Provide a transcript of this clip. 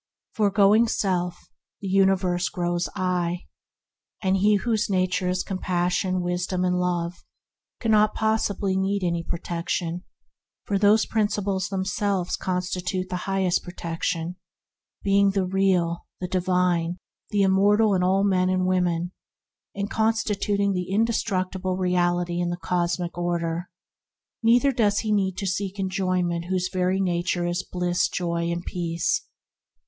"Foregoing self, the universe grows I"; and he whose nature is compassion, wisdom, and love cannot possibly need any pro tection; for those Principles themselves con stitute the highest protection, being the real, the divine, the immortal in all men, and constituting the indestructible reality in the cosmic order. Neither does he whose very nature is Bliss, Joy, Peace need to seek enjoyment.